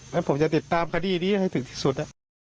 แล้วผมจะติดตามคดีนี้ให้ถึงที่สุดนะครับ